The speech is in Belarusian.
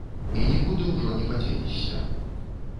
І нікуды ўжо не падзенешся.